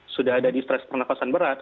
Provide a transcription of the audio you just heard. sudah ada distress pernafasan berat